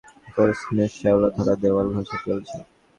ছোট বেলচা হাতে তিনি পূর্বপুরুষের কবরস্থানের শেওলা ধরা দেয়াল ঘষে চলেছেন।